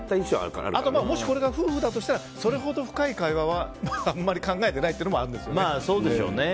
あと、これが夫婦だったらそれほど深い会話はあんまり考えてないというのもあるんですよね。